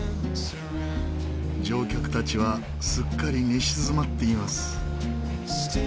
乗客たちはすっかり寝静まっています。